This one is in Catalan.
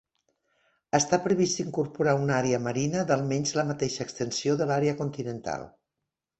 Està previst incorporar una àrea marina d'almenys la mateixa extensió de l'àrea continental.